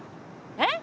えっ？